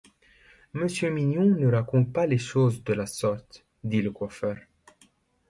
Monsieur Mignon ne raconte pas les choses de la sorte, dit le coiffeur.